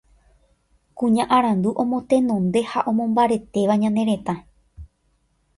kuña arandu omotenonde ha omomombaretéva ñane retã